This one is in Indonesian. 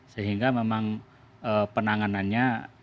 sehingga memang penanganannya